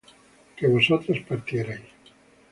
que vosotras partierais